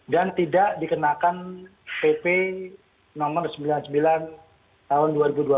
dan tidak dikenakan pp nomor sembilan puluh sembilan tahun dua ribu dua belas